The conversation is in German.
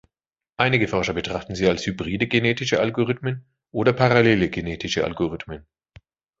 Einige Forscher betrachten sie als hybride genetische Algorithmen oder parallele genetische Algorithmen.